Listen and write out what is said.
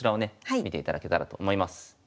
見ていただけたらと思います。